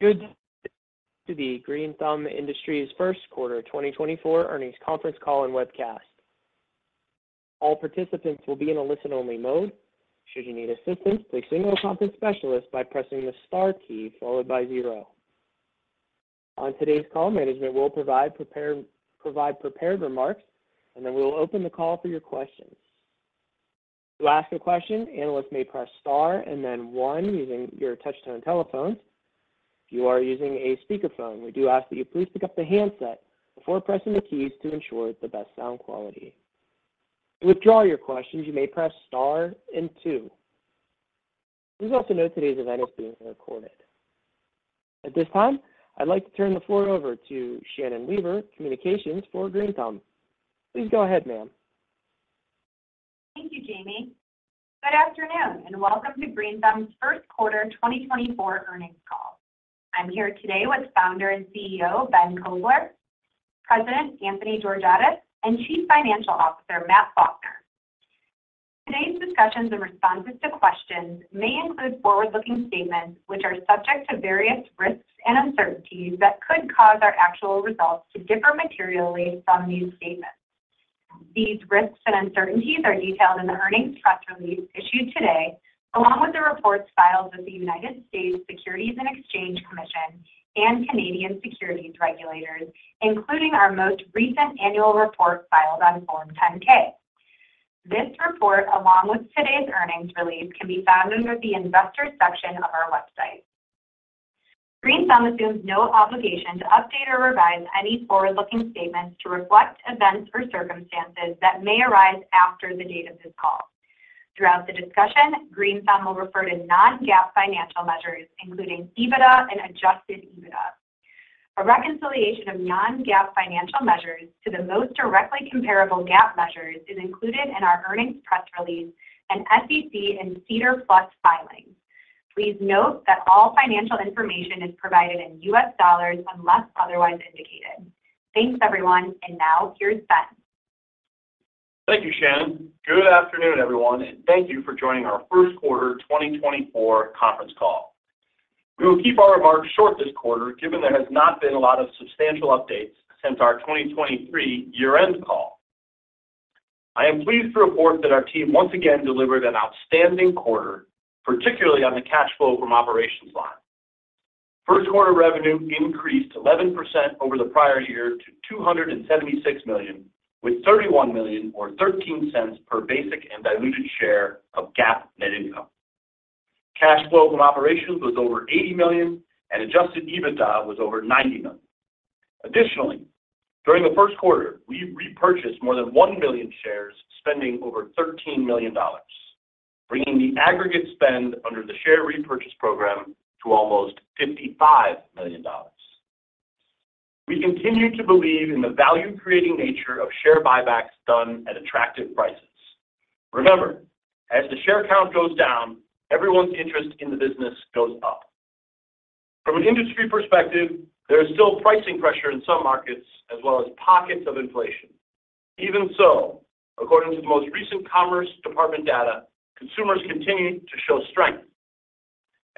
Welcome to the Green Thumb Industries First Quarter 2024 Earnings Conference Call and Webcast. All participants will be in a listen-only mode. Should you need assistance, please contact a specialist by pressing the star key followed by zero. On today's call, management will provide prepared remarks, and then we will open the call for your questions. To ask a question, analysts may press star and then one using your touch-tone telephones. If you are using a speakerphone, we do ask that you please pick up the handset before pressing the keys to ensure the best sound quality. To withdraw your questions, you may press star and two. Please also note today's event is being recorded. At this time, I'd like to turn the floor over to Shannon Weaver, Communications, for Green Thumb. Please go ahead, ma'am. Thank you, Jamie. Good afternoon and welcome to Green Thumb's first quarter 2024 earnings call. I'm here today with Founder and CEO Ben Kovler, President Anthony Georgiadis, and Chief Financial Officer Matt Faulkner. Today's discussions and responses to questions may include forward-looking statements which are subject to various risks and uncertainties that could cause our actual results to differ materially from these statements. These risks and uncertainties are detailed in the earnings press release issued today, along with the reports filed with the United States Securities and Exchange Commission and Canadian securities regulators, including our most recent annual report filed on Form 10-K. This report, along with today's earnings release, can be found under the investor section of our website. Green Thumb assumes no obligation to update or revise any forward-looking statements to reflect events or circumstances that may arise after the date of this call. Throughout the discussion, Green Thumb will refer to non-GAAP financial measures, including EBITDA and adjusted EBITDA. A reconciliation of non-GAAP financial measures to the most directly comparable GAAP measures is included in our earnings press release and SEC and SEDAR+ filings. Please note that all financial information is provided in US dollars unless otherwise indicated. Thanks, everyone, and now here's Ben. Thank you, Shannon. Good afternoon, everyone, and thank you for joining our first quarter 2024 conference call. We will keep our remarks short this quarter given there has not been a lot of substantial updates since our 2023 year-end call. I am pleased to report that our team once again delivered an outstanding quarter, particularly on the cash flow from operations line. First quarter revenue increased 11% over the prior year to $276 million, with $31 million or $0.13 per basic and diluted share of GAAP net income. Cash flow from operations was over $80 million, and adjusted EBITDA was over $90 million. Additionally, during the first quarter, we repurchased more than 1 million shares, spending over $13 million, bringing the aggregate spend under the share repurchase program to almost $55 million. We continue to believe in the value-creating nature of share buybacks done at attractive prices. Remember, as the share count goes down, everyone's interest in the business goes up. From an industry perspective, there is still pricing pressure in some markets, as well as pockets of inflation. Even so, according to the most recent Commerce Department data, consumers continue to show strength,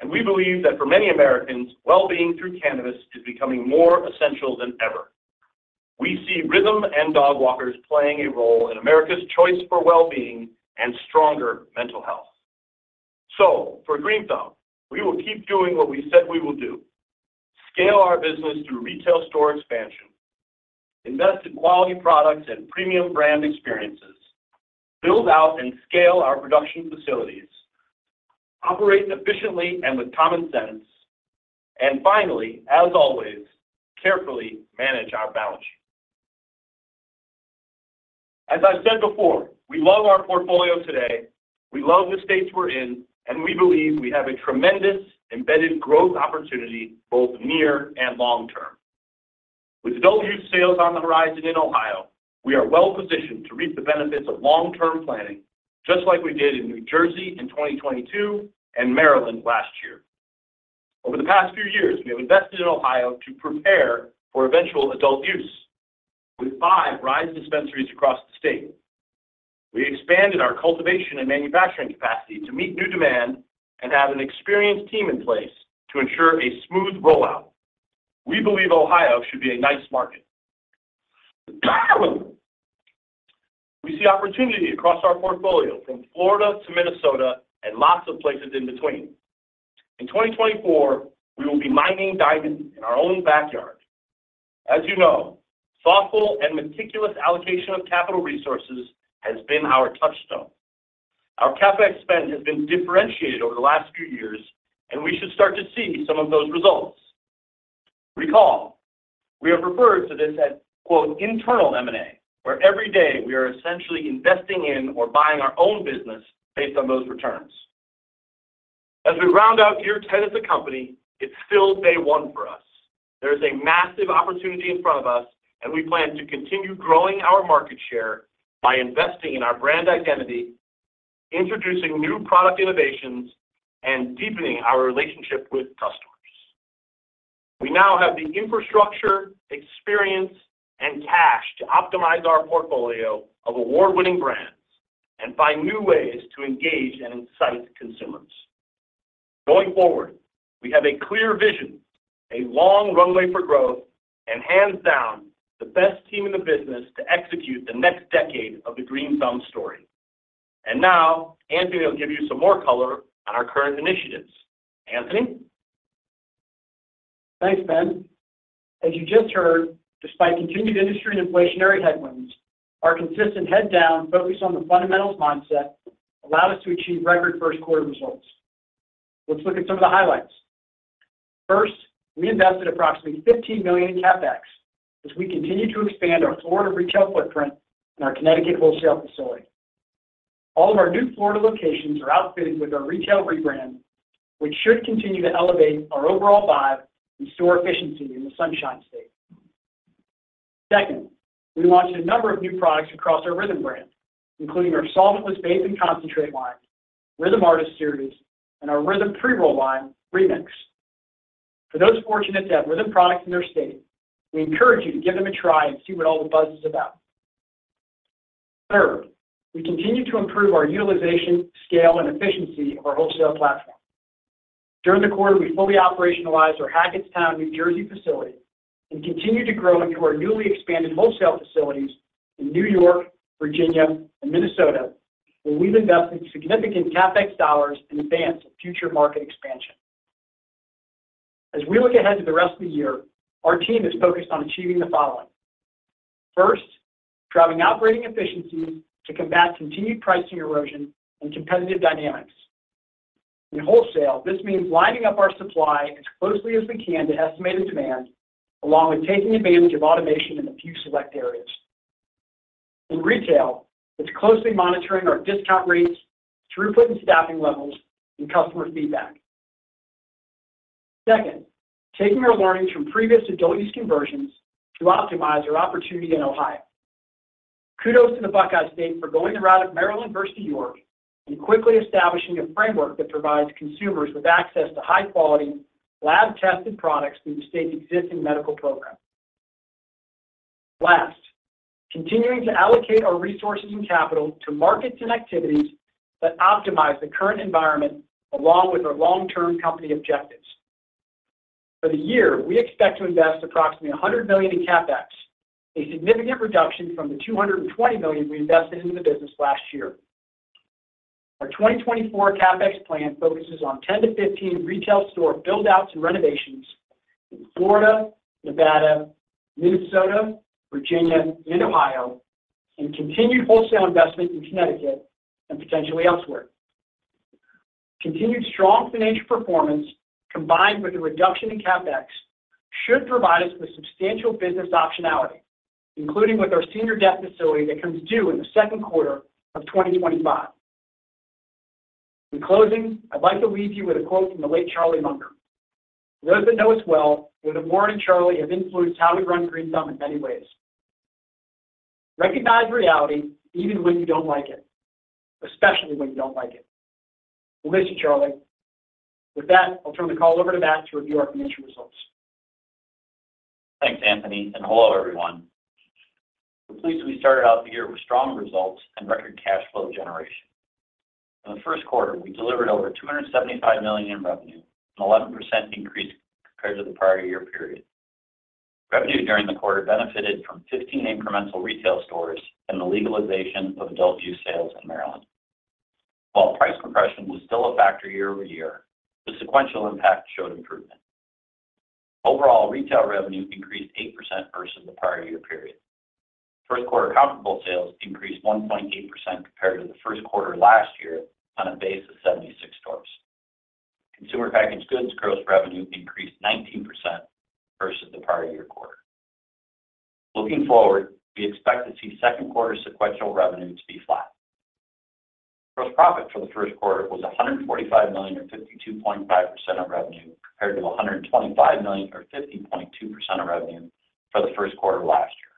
and we believe that for many Americans, well-being through cannabis is becoming more essential than ever. We see RYTHM and Dogwalkers playing a role in America's choice for well-being and stronger mental health. So, for Green Thumb, we will keep doing what we said we will do: scale our business through retail store expansion, invest in quality products and premium brand experiences, build out and scale our production facilities, operate efficiently and with common sense, and finally, as always, carefully manage our balance sheet. As I've said before, we love our portfolio today. We love the states we're in, and we believe we have a tremendous embedded growth opportunity both near and long term. With adult use sales on the horizon in Ohio, we are well positioned to reap the benefits of long-term planning, just like we did in New Jersey in 2022 and Maryland last year. Over the past few years, we have invested in Ohio to prepare for eventual adult use. With five RISE dispensaries across the state, we expanded our cultivation and manufacturing capacity to meet new demand and have an experienced team in place to ensure a smooth rollout. We believe Ohio should be a nice market. We see opportunity across our portfolio from Florida to Minnesota and lots of places in between. In 2024, we will be mining diamonds in our own backyard. As you know, thoughtful and meticulous allocation of capital resources has been our touchstone. Our CapEx spend has been differentiated over the last few years, and we should start to see some of those results. Recall, we have referred to this as "internal M&A," where every day we are essentially investing in or buying our own business based on those returns. As we round out year 10 as a company, it's still day one for us. There is a massive opportunity in front of us, and we plan to continue growing our market share by investing in our brand identity, introducing new product innovations, and deepening our relationship with customers. We now have the infrastructure, experience, and cash to optimize our portfolio of award-winning brands and find new ways to engage and excite consumers. Going forward, we have a clear vision, a long runway for growth, and hands down the best team in the business to execute the next decade of the Green Thumb story. And now, Anthony will give you some more color on our current initiatives. Anthony? Thanks, Ben. As you just heard, despite continued industry and inflationary headwinds, our consistent head-down focus on the fundamentals mindset allowed us to achieve record first quarter results. Let's look at some of the highlights. First, we invested approximately $15 million in CapEx as we continue to expand our Florida retail footprint and our Connecticut wholesale facility. All of our new Florida locations are outfitted with our retail rebrand, which should continue to elevate our overall vibe and store efficiency in the Sunshine State. Second, we launched a number of new products across our RYTHM brand, including our solventless concentrate line, RYTHM Artist Series, and our RYTHM pre-roll line Remix. For those fortunate to have RYTHM products in their state, we encourage you to give them a try and see what all the buzz is about. Third, we continue to improve our utilization, scale, and efficiency of our wholesale platform. During the quarter, we fully operationalized our Hackettstown, New Jersey facility and continued to grow into our newly expanded wholesale facilities in New York, Virginia, and Minnesota, where we've invested significant CapEx dollars in advance of future market expansion. As we look ahead to the rest of the year, our team is focused on achieving the following: first, driving outgrading efficiencies to combat continued pricing erosion and competitive dynamics. In wholesale, this means lining up our supply as closely as we can to estimated demand, along with taking advantage of automation in a few select areas. In retail, it's closely monitoring our discount rates, throughput and staffing levels, and customer feedback. Second, taking our learnings from previous adult use conversions to optimize our opportunity in Ohio. Kudos to the Buckeye State for going the route of Maryland versus New York and quickly establishing a framework that provides consumers with access to high-quality, lab-tested products through the state's existing medical program. Last, continuing to allocate our resources and capital to markets and activities that optimize the current environment, along with our long-term company objectives. For the year, we expect to invest approximately $100 million in CapEx, a significant reduction from the $220 million we invested into the business last year. Our 2024 CapEx plan focuses on 10-15 retail store buildouts and renovations in Florida, Nevada, Minnesota, Virginia, and Ohio, and continued wholesale investment in Connecticut and potentially elsewhere. Continued strong financial performance, combined with a reduction in CapEx, should provide us with substantial business optionality, including with our senior debt facility that comes due in the second quarter of 2025. In closing, I'd like to leave you with a quote from the late Charlie Munger. For those that know us well, Warren Buffett and Charlie have influenced how we run Green Thumb in many ways. "Recognize reality even when you don't like it, especially when you don't like it." We'll miss you, Charlie. With that, I'll turn the call over to Matt to review our financial results. Thanks, Anthony, and hello everyone. We're pleased we started out the year with strong results and record cash flow generation. In the first quarter, we delivered over $275 million in revenue, an 11% increase compared to the prior year period. Revenue during the quarter benefited from 15 incremental retail stores and the legalization of adult use sales in Maryland. While price compression was still a factor year-over-year, the sequential impact showed improvement. Overall, retail revenue increased 8% versus the prior year period. First quarter comparable sales increased 1.8% compared to the first quarter last year on a base of 76 stores. Consumer packaged goods gross revenue increased 19% versus the prior year quarter. Looking forward, we expect to see second quarter sequential revenue to be flat. Gross profit for the first quarter was $145 million or 52.5% of revenue compared to $125 million or 50.2% of revenue for the first quarter last year.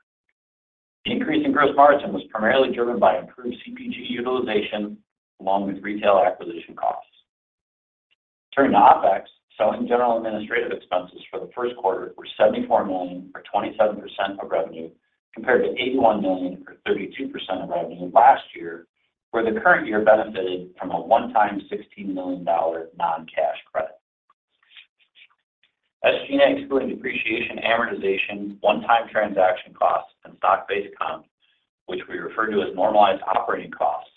The increase in gross margin was primarily driven by improved CPG utilization along with retail acquisition costs. Turning to OpEx, selling general administrative expenses for the first quarter were $74 million or 27% of revenue compared to $81 million or 32% of revenue last year, where the current year benefited from a one-time $16 million non-cash credit. SG&A excluding depreciation, amortization, one-time transaction costs, and stock-based comp, which we refer to as normalized operating costs,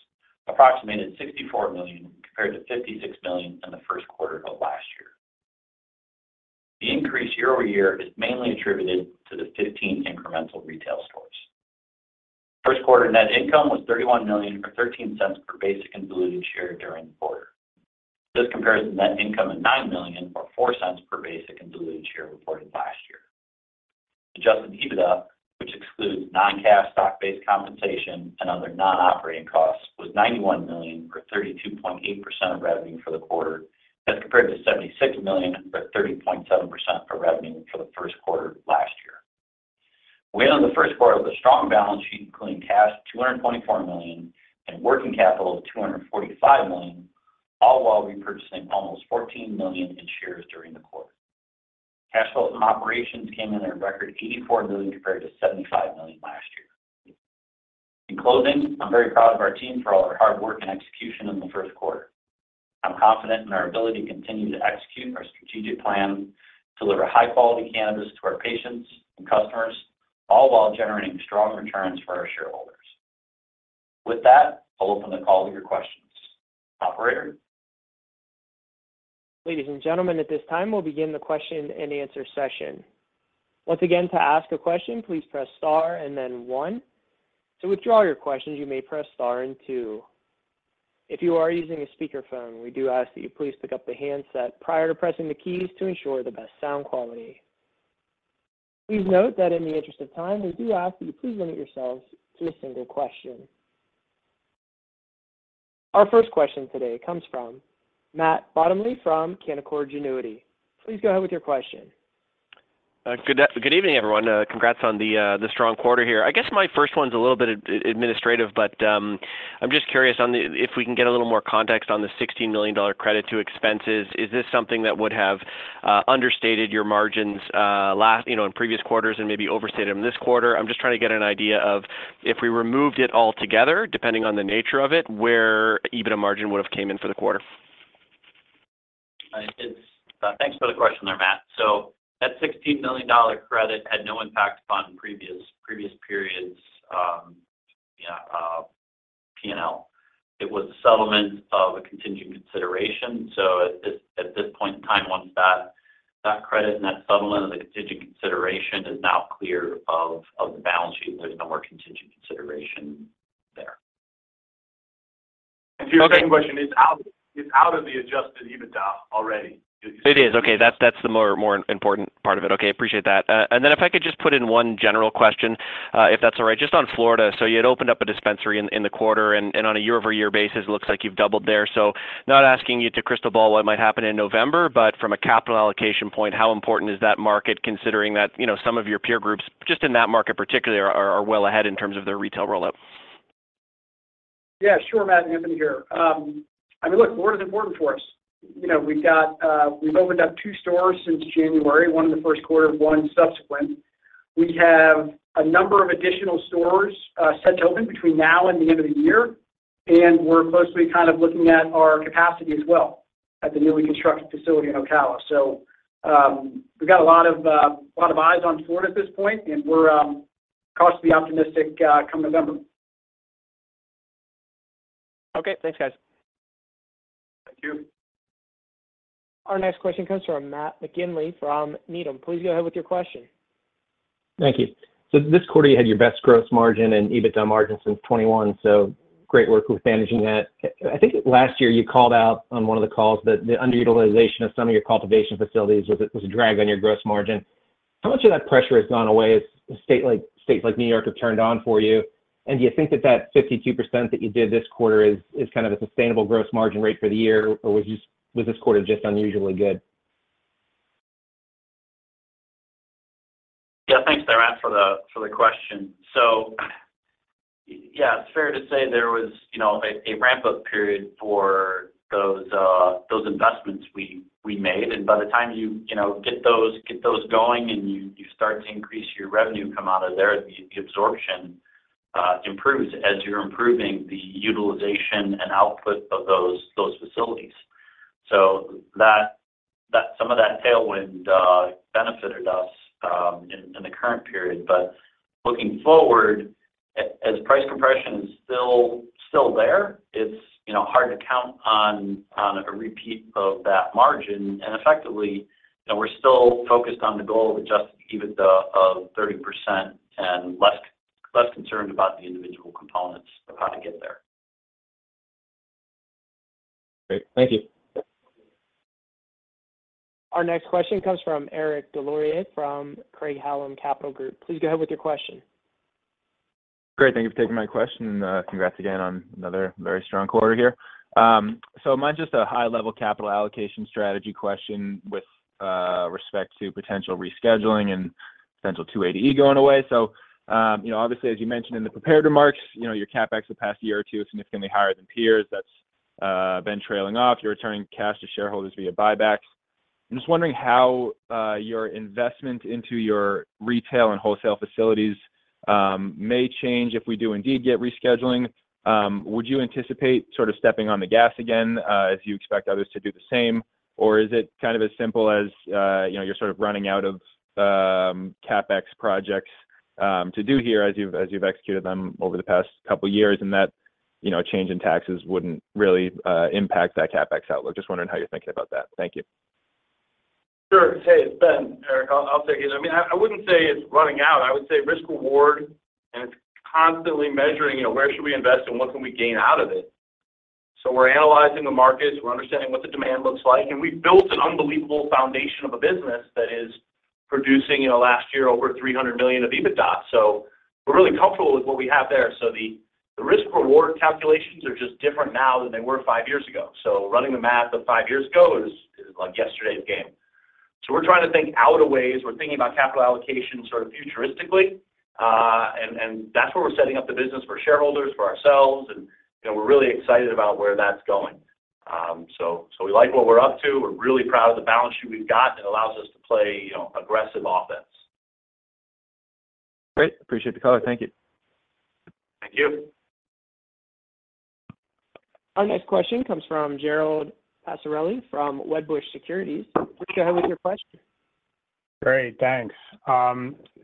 approximated $64 million compared to $56 million in the first quarter of last year. The increase year-over-year is mainly attributed to the 15 incremental retail stores. First quarter net income was $31 million or $0.13 per basic and diluted share during the quarter. This compares to net income of $9 million or $0.04 per basic and diluted share reported last year. Adjusted EBITDA, which excludes non-cash, stock-based compensation, and other non-operating costs, was $91 million or 32.8% of revenue for the quarter as compared to $76 million or 30.7% of revenue for the first quarter last year. We entered the first quarter with a strong balance sheet including cash of $224 million and working capital of $245 million, all while repurchasing almost $14 million in shares during the quarter. Cash flows from operations came in at a record $84 million compared to $75 million last year. In closing, I'm very proud of our team for all our hard work and execution in the first quarter. I'm confident in our ability to continue to execute our strategic plan to deliver high-quality cannabis to our patients and customers, all while generating strong returns for our shareholders. With that, I'll open the call to your questions. Operator? Ladies and gentlemen, at this time, we'll begin the question and answer session. Once again, to ask a question, please press star and then one. To withdraw your questions, you may press star and two. If you are using a speakerphone, we do ask that you please pick up the handset prior to pressing the keys to ensure the best sound quality. Please note that in the interest of time, we do ask that you please limit yourselves to a single question. Our first question today comes from Matt Bottomley from Canaccord Genuity. Please go ahead with your question. Good evening, everyone. Congrats on the strong quarter here. I guess my first one's a little bit administrative, but I'm just curious if we can get a little more context on the $16 million credit to expenses. Is this something that would have understated your margins in previous quarters and maybe overstated them this quarter? I'm just trying to get an idea of, if we removed it altogether, depending on the nature of it, where EBITDA margin would have came in for the quarter. Thanks for the question there, Matt. So that $16 million credit had no impact upon previous periods' P&L. It was a settlement of a contingent consideration. So at this point in time, once that credit and that settlement of the contingent consideration is now cleared off the balance sheet, there's no more contingent consideration there. To your second question, it's out of the Adjusted EBITDA already. It is. Okay. That's the more important part of it. Okay. Appreciate that. And then if I could just put in one general question, if that's all right, just on Florida. So you had opened up a dispensary in the quarter, and on a year-over-year basis, it looks like you've doubled there. So not asking you to crystal ball what might happen in November, but from a capital allocation point, how important is that market considering that some of your peer groups just in that market particularly are well ahead in terms of their retail rollout? Yeah. Sure, Matt. Anthony here. I mean, look, Florida's important for us. We've opened up two stores since January, one in the first quarter, one subsequent. We have a number of additional stores set to open between now and the end of the year, and we're closely kind of looking at our capacity as well at the newly constructed facility in Ocala. So we've got a lot of eyes on Florida at this point, and we're cautiously optimistic come November. Okay. Thanks, guys. Thank you. Our next question comes from Matt McGinley from Needham. Please go ahead with your question. Thank you. So this quarter, you had your best gross margin and EBITDA margin since 2021, so great work with managing that. I think last year you called out on one of the calls that the underutilization of some of your cultivation facilities was a drag on your gross margin. How much of that pressure has gone away as states like New York have turned on for you? And do you think that that 52% that you did this quarter is kind of a sustainable gross margin rate for the year, or was this quarter just unusually good? Yeah. Thanks there, Matt, for the question. So yeah, it's fair to say there was a ramp-up period for those investments we made. And by the time you get those going and you start to increase your revenue come out of there, the absorption improves as you're improving the utilization and output of those facilities. So some of that tailwind benefited us in the current period. But looking forward, as price compression is still there, it's hard to count on a repeat of that margin. And effectively, we're still focused on the goal of adjusting EBITDA of 30% and less concerned about the individual components of how to get there. Great. Thank you. Our next question comes from Eric Des Lauriers from Craig-Hallum Capital Group. Please go ahead with your question. Great. Thank you for taking my question, and congrats again on another very strong quarter here. So mine's just a high-level capital allocation strategy question with respect to potential rescheduling and potential 280E going away. So obviously, as you mentioned in the prepared remarks, your CapEx the past year or two is significantly higher than peers. That's been trailing off. You're returning cash to shareholders via buybacks. I'm just wondering how your investment into your retail and wholesale facilities may change if we do indeed get rescheduling. Would you anticipate sort of stepping on the gas again as you expect others to do the same, or is it kind of as simple as you're sort of running out of CapEx projects to do here as you've executed them over the past couple of years and that change in taxes wouldn't really impact that CapEx outlook? Just wondering how you're thinking about that. Thank you. Sure. Hey, it's Ben, Eric. I'll take it. I mean, I wouldn't say it's running out. I would say risk-reward, and it's constantly measuring where should we invest and what can we gain out of it. So we're analyzing the markets. We're understanding what the demand looks like. And we've built an unbelievable foundation of a business that is producing last year over $300 million of EBITDA. So we're really comfortable with what we have there. So the risk-reward calculations are just different now than they were five years ago. So running the math of five years ago is like yesterday's game. So we're trying to think out of ways. We're thinking about capital allocation sort of futuristically, and that's where we're setting up the business for shareholders, for ourselves. And we're really excited about where that's going. So we like what we're up to. We're really proud of the balance sheet we've got. It allows us to play aggressive offense. Great. Appreciate the call. Thank you. Thank you. Our next question comes from Gerald Pascarelli from Wedbush Securities. Please go ahead with your question. Great. Thanks.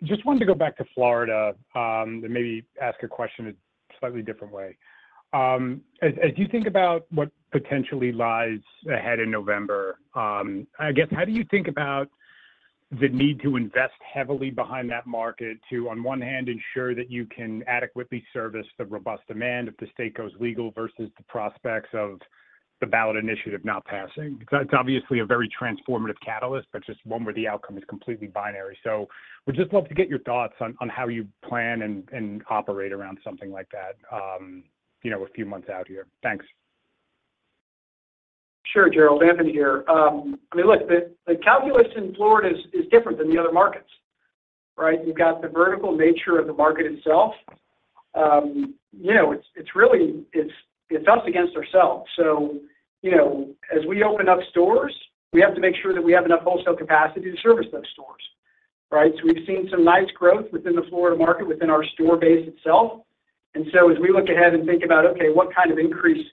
Just wanted to go back to Florida and maybe ask a question a slightly different way. As you think about what potentially lies ahead in November, I guess, how do you think about the need to invest heavily behind that market to, on one hand, ensure that you can adequately service the robust demand if the state goes legal versus the prospects of the ballot initiative not passing? It's obviously a very transformative catalyst, but just one where the outcome is completely binary. So we'd just love to get your thoughts on how you plan and operate around something like that a few months out here. Thanks. Sure, Gerald. Anthony here. I mean, look, the calculation in Florida is different than the other markets, right? You've got the vertical nature of the market itself. It's us against ourselves. So as we open up stores, we have to make sure that we have enough wholesale capacity to service those stores, right? So we've seen some nice growth within the Florida market, within our store base itself. And so as we look ahead and think about, "Okay, what kind of increase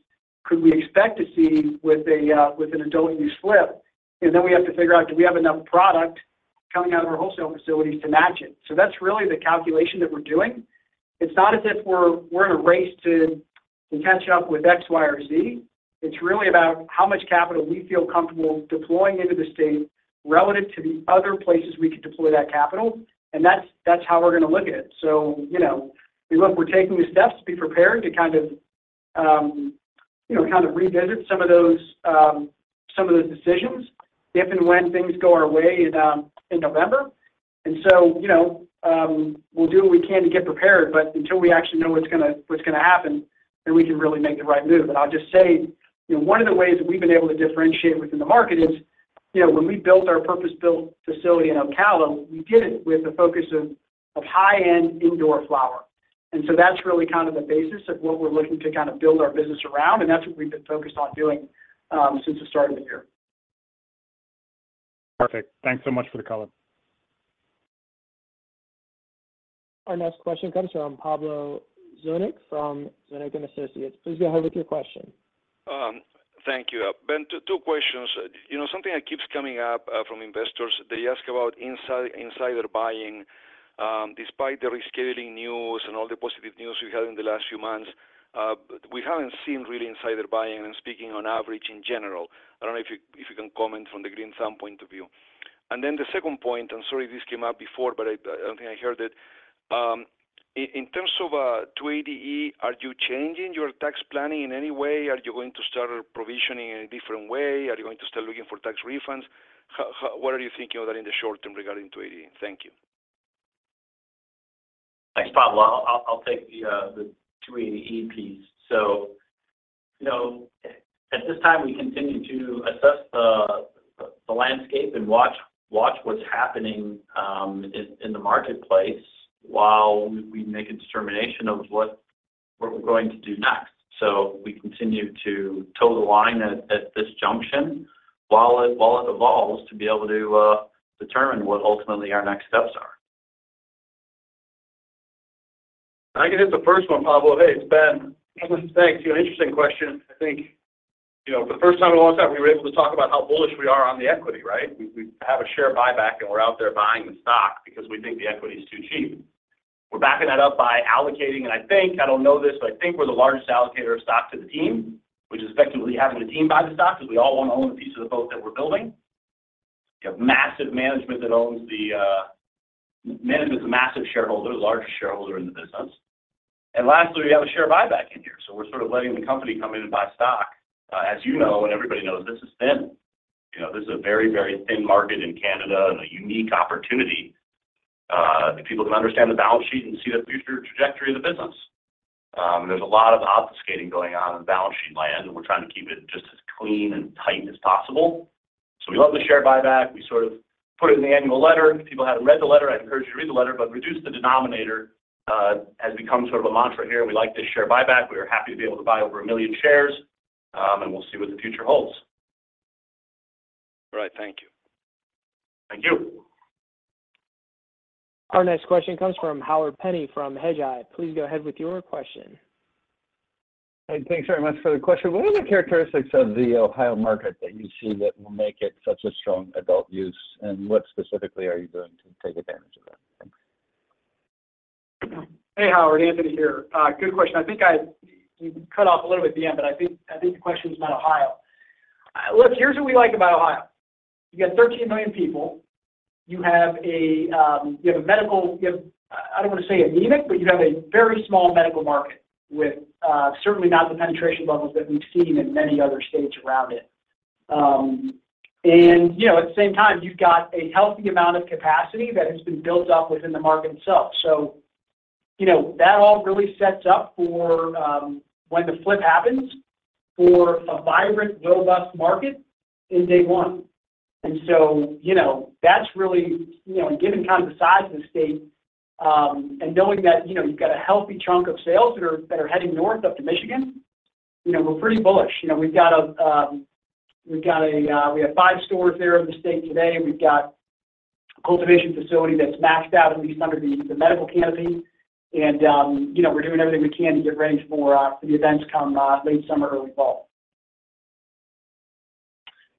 could we expect to see with an adult use flip?" then we have to figure out, "Do we have enough product coming out of our wholesale facilities to match it?" So that's really the calculation that we're doing. It's not as if we're in a race to catch up with X, Y, or Z. It's really about how much capital we feel comfortable deploying into the state relative to the other places we could deploy that capital. That's how we're going to look at it. We look, we're taking the steps to be prepared to kind of revisit some of those decisions if and when things go our way in November. We'll do what we can to get prepared, but until we actually know what's going to happen, then we can really make the right move. I'll just say one of the ways that we've been able to differentiate within the market is when we built our purpose-built facility in Ocala, we did it with the focus of high-end indoor flower. And so that's really kind of the basis of what we're looking to kind of build our business around, and that's what we've been focused on doing since the start of the year. Perfect. Thanks so much for the call. Our next question comes from Pablo Zuanic from Zuanic & Associates. Please go ahead with your question. Thank you. Ben, two questions. Something that keeps coming up from investors, they ask about insider buying. Despite the rescheduling news and all the positive news we've had in the last few months, we haven't seen really insider buying and speaking on average in general. I don't know if you can comment from the Green Thumb point of view. And then the second point, and sorry, this came up before, but I don't think I heard it. In terms of 280E, are you changing your tax planning in any way? Are you going to start provisioning in a different way? Are you going to start looking for tax refunds? What are you thinking of that in the short term regarding 280E? Thank you. Thanks, Pablo. I'll take the 280E piece. So at this time, we continue to assess the landscape and watch what's happening in the marketplace while we make a determination of what we're going to do next. So we continue to toe the line at this junction while it evolves to be able to determine what ultimately our next steps are. I can hit the first one, Pablo. Hey, it's Ben. Thanks. Interesting question. I think for the first time in a long time, we were able to talk about how bullish we are on the equity, right? We have a share buyback, and we're out there buying the stock because we think the equity is too cheap. We're backing that up by allocating, and I think I don't know this, but I think we're the largest allocator of stock to the team, which is effectively having the team buy the stock because we all want to own the piece of the boat that we're building. You have massive management that owns. Management's a massive shareholder, the largest shareholder in the business. And lastly, we have a share buyback in here. So we're sort of letting the company come in and buy stock, as you know, and everybody knows this is thin. This is a very, very thin market in Canada and a unique opportunity that people can understand the balance sheet and see the future trajectory of the business. There's a lot of obfuscating going on in balance sheet land, and we're trying to keep it just as clean and tight as possible. So we love the share buyback. We sort of put it in the annual letter. If people haven't read the letter, I encourage you to read the letter, but reduce the denominator has become sort of a mantra here. And we like this share buyback. We are happy to be able to buy over 1 million shares, and we'll see what the future holds. All right. Thank you. Thank you. Our next question comes from Howard Penney from Hedgeye. Please go ahead with your question. Hey, thanks very much for the question. What are the characteristics of the Ohio market that you see that will make it such a strong adult use, and what specifically are you doing to take advantage of that? Thanks. Hey, Howard. Anthony here. Good question. I think you cut off a little bit at the end, but I think the question is about Ohio. Look, here's what we like about Ohio. You got 13 million people. You have a medical, I don't want to say anemic, but you have a very small medical market with certainly not the penetration levels that we've seen in many other states around it. And at the same time, you've got a healthy amount of capacity that has been built up within the market itself. So that all really sets up for when the flip happens for a vibrant, robust market in day one. And so that's really, and given kind of the size of the state and knowing that you've got a healthy chunk of sales that are heading north up to Michigan, we're pretty bullish. We have five stores there in the state today. We've got a cultivation facility that's maxed out at least under the medical canopy, and we're doing everything we can to get ready for the events come late summer, early fall.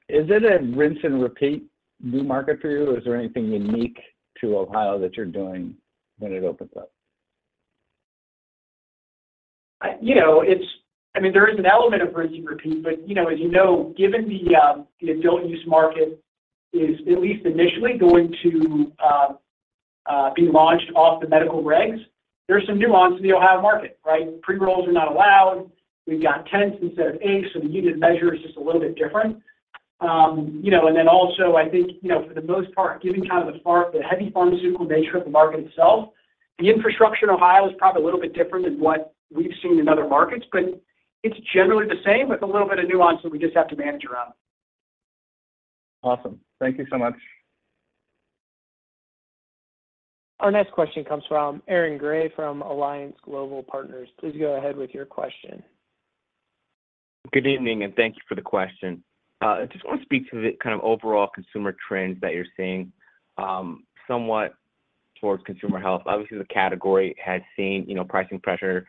Is it a rinse and repeat new market for you, or is there anything unique to Ohio that you're doing when it opens up? I mean, there is an element of rinse and repeat, but as you know, given the adult use market is at least initially going to be launched off the medical regs, there's some nuance in the Ohio market, right? Pre-rolls are not allowed. We've got tenths instead of eighths, so the unit measure is just a little bit different. And then also, I think for the most part, given kind of the heavy pharmaceutical nature of the market itself, the infrastructure in Ohio is probably a little bit different than what we've seen in other markets, but it's generally the same with a little bit of nuance that we just have to manage around. Awesome. Thank you so much. Our next question comes from Aaron Grey from Alliance Global Partners. Please go ahead with your question. Good evening, and thank you for the question. I just want to speak to the kind of overall consumer trends that you're seeing somewhat towards consumer health. Obviously, the category has seen pricing pressure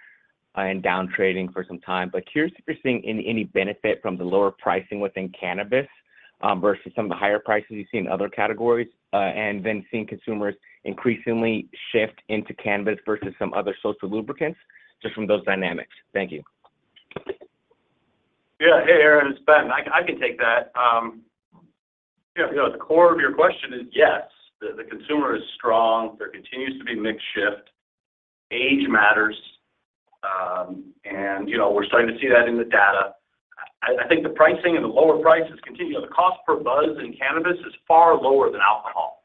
and downtrading for some time, but curious if you're seeing any benefit from the lower pricing within cannabis versus some of the higher prices you've seen in other categories and then seeing consumers increasingly shift into cannabis versus some other social lubricants just from those dynamics? Thank you. Yeah. Hey, Aaron. It's Ben. I can take that. At the core of your question is yes, the consumer is strong. There continues to be mix shift. Age matters, and we're starting to see that in the data. I think the pricing and the lower prices continue the cost per buzz in cannabis is far lower than alcohol,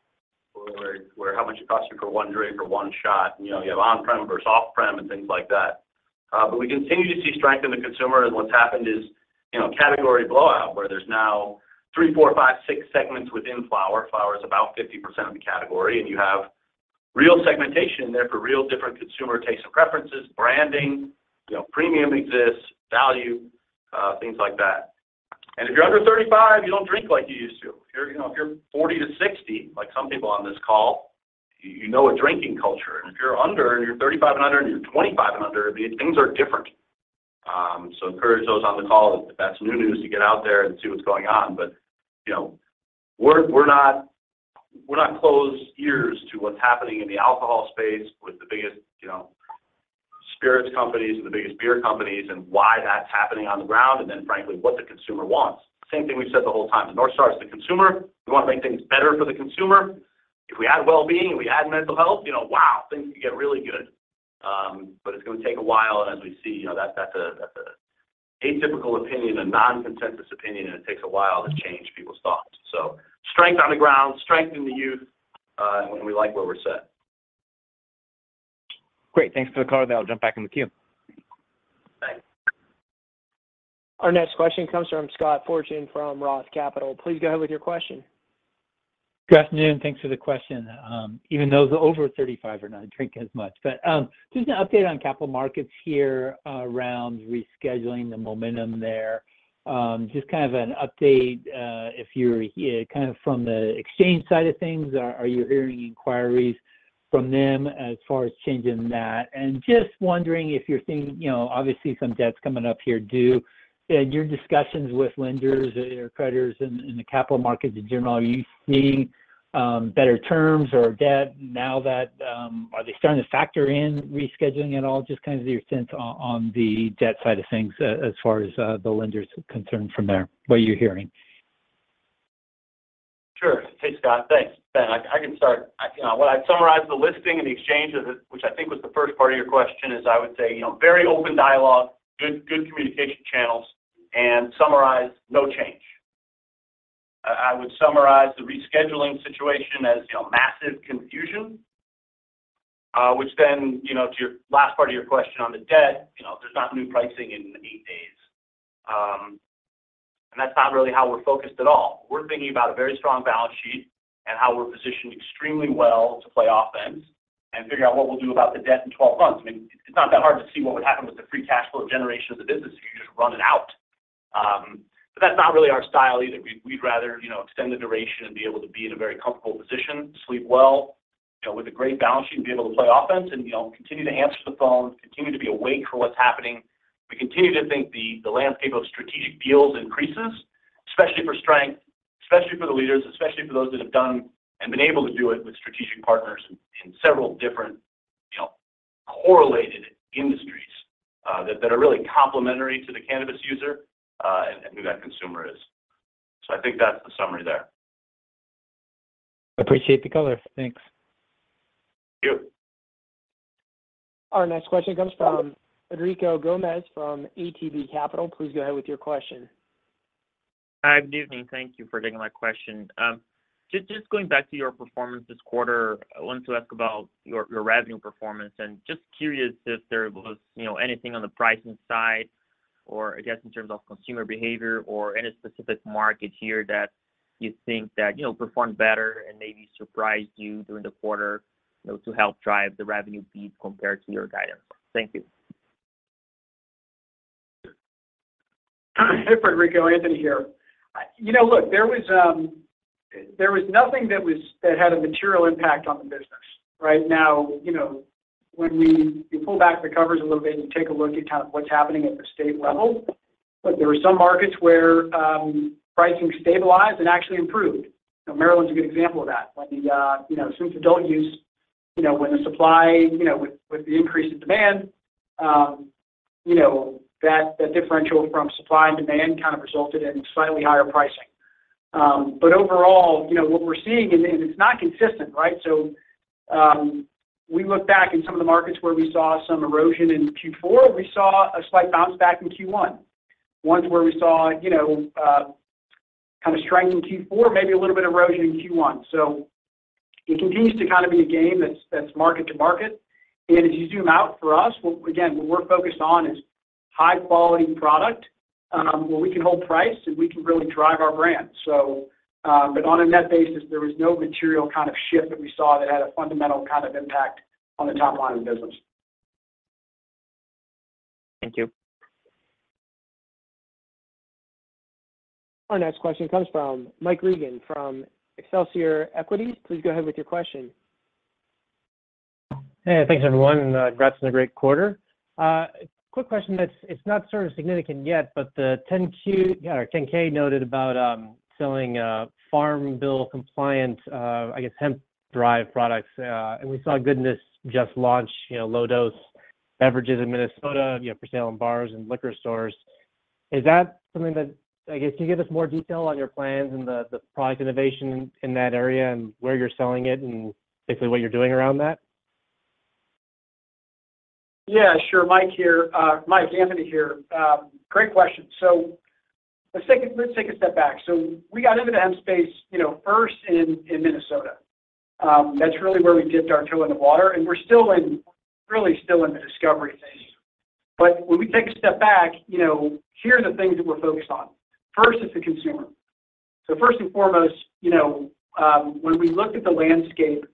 where how much it costs you for one drink or one shot. You have on-prem versus off-prem and things like that. But we continue to see strength in the consumer. And what's happened is category blowout where there's now three, four, five, six segments within flower. Flower is about 50% of the category, and you have real segmentation there for real different consumer tastes and preferences, branding, premium exists, value, things like that. And if you're under 35, you don't drink like you used to. If you're 40-60, like some people on this call, you know a drinking culture. And if you're under and you're 35 and under and you're 25 and under, things are different. So encourage those on the call, if that's new news, to get out there and see what's going on. But we're not closed ears to what's happening in the alcohol space with the biggest spirits companies and the biggest beer companies and why that's happening on the ground and then, frankly, what the consumer wants. Same thing we've said the whole time. The North Star is the consumer. We want to make things better for the consumer. If we add well-being and we add mental health, wow, things could get really good. But it's going to take a while. As we see, that's an atypical opinion, a non-consensus opinion, and it takes a while to change people's thoughts. Strength on the ground, strength in the youth, and we like where we're set. Great. Thanks for the call, though. I'll jump back in the queue. Thanks. Our next question comes from Scott Fortune from Roth Capital. Please go ahead with your question. Good afternoon. Thanks for the question. Even though the over 35 are not drinking as much. Just an update on capital markets here around rescheduling, the momentum there. Just kind of an update if you're kind of from the exchange side of things. Are you hearing inquiries from them as far as changing that? And just wondering if you're seeing obviously, some debt's coming up here, do. In your discussions with lenders or creditors in the capital markets in general, are you seeing better terms or debt now that are they starting to factor in rescheduling at all? Just kind of your sense on the debt side of things as far as the lender's concerned from there, what you're hearing. Sure. Hey, Scott. Thanks, Ben. I can start. What I'd summarize the listing and the exchange, which I think was the first part of your question, is I would say very open dialogue, good communication channels, and summarize no change. I would summarize the rescheduling situation as massive confusion, which then to your last part of your question on the debt, there's not new pricing in 8 days. And that's not really how we're focused at all. We're thinking about a very strong balance sheet and how we're positioned extremely well to play offense and figure out what we'll do about the debt in 12 months. I mean, it's not that hard to see what would happen with the free cash flow generation of the business if you just run it out. But that's not really our style either. We'd rather extend the duration and be able to be in a very comfortable position, sleep well with a great balance sheet, and be able to play offense and continue to answer the phone, continue to be awake for what's happening. We continue to think the landscape of strategic deals increases, especially for strength, especially for the leaders, especially for those that have done and been able to do it with strategic partners in several different correlated industries that are really complementary to the cannabis user and who that consumer is. So I think that's the summary there. Appreciate the caller. Thanks. You. Our next question comes from Frederico Gomes from ATB Capital. Please go ahead with your question. Hi. Good evening. Thank you for taking my question. Just going back to your performance this quarter, I wanted to ask about your revenue performance. Just curious if there was anything on the pricing side or, I guess, in terms of consumer behavior or any specific market here that you think that performed better and maybe surprised you during the quarter to help drive the revenue beat compared to your guidance? Thank you. Hey, Frederico. Anthony here. Look, there was nothing that had a material impact on the business, right? Now, when you pull back the covers a little bit and you take a look at kind of what's happening at the state level, look, there were some markets where pricing stabilized and actually improved. Maryland's a good example of that. Since adult use, when the supply with the increase in demand, that differential from supply and demand kind of resulted in slightly higher pricing. But overall, what we're seeing and it's not consistent, right? So we look back in some of the markets where we saw some erosion in Q4, we saw a slight bounce back in Q1. Ones where we saw kind of strength in Q4, maybe a little bit of erosion in Q1. So it continues to kind of be a game that's market to market. As you zoom out for us, again, what we're focused on is high-quality product where we can hold price and we can really drive our brand. But on a net basis, there was no material kind of shift that we saw that had a fundamental kind of impact on the top line of the business. Thank you. Our next question comes from Mike Regan from Excelsior Equities. Please go ahead with your question. Hey. Thanks, everyone. Congrats on a great quarter. Quick question. It's not sort of significant yet, but the 10-Q or 10-K noted about selling Farm Bill compliant, I guess, hemp-derived products. And we saw Goodness just launch low-dose beverages in Minnesota for sale in bars and liquor stores. Is that something that I guess, can you give us more detail on your plans and the product innovation in that area and where you're selling it and basically what you're doing around that? Yeah. Sure. Mike here. Mike, Anthony here. Great question. Let's take a step back. We got into the hemp space first in Minnesota. That's really where we dipped our toe in the water. We're still really in the discovery phase. When we take a step back, here are the things that we're focused on. First is the consumer. First and foremost, when we looked at the landscape,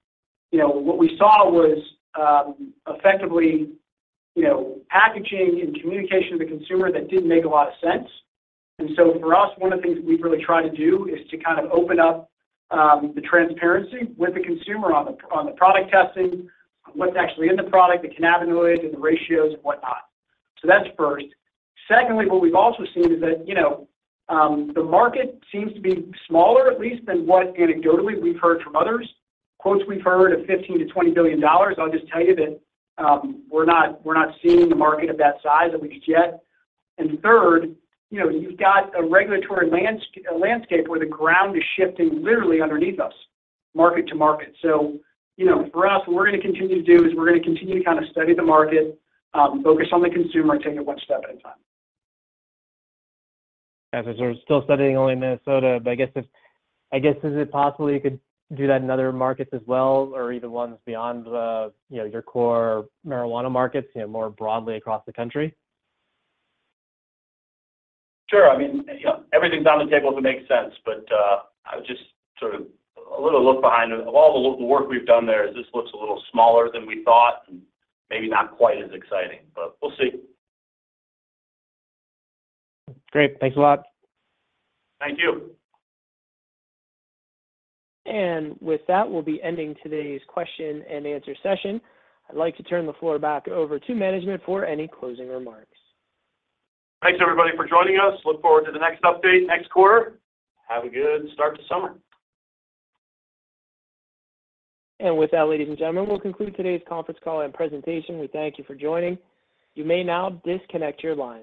what we saw was effectively packaging and communication to the consumer that didn't make a lot of sense. For us, one of the things that we've really tried to do is to kind of open up the transparency with the consumer on the product testing, on what's actually in the product, the cannabinoids, and the ratios and whatnot. That's first. Secondly, what we've also seen is that the market seems to be smaller, at least, than what anecdotally we've heard from others. Quotes we've heard of $15 billion-$20 billion. I'll just tell you that we're not seeing the market of that size, at least yet. And third, you've got a regulatory landscape where the ground is shifting literally underneath us, market to market. So for us, what we're going to continue to do is we're going to continue to kind of study the market, focus on the consumer, and take it one step at a time. Yeah. So we're still studying only Minnesota. But I guess, is it possible you could do that in other markets as well or even ones beyond your core marijuana markets, more broadly across the country? Sure. I mean, everything's on the table to make sense. But I was just sort of a little look behind it. Of all the work we've done there, this looks a little smaller than we thought and maybe not quite as exciting. But we'll see. Great. Thanks a lot. Thank you. With that, we'll be ending today's question and answer session. I'd like to turn the floor back over to management for any closing remarks. Thanks, everybody, for joining us. Look forward to the next update next quarter. Have a good start to summer. With that, ladies and gentlemen, we'll conclude today's conference call and presentation. We thank you for joining. You may now disconnect your line.